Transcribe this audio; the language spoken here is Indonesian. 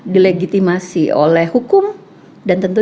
di legitimasi oleh hukum dan tentu